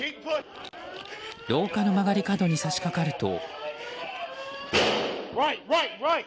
廊下の曲がり角に差し掛かると。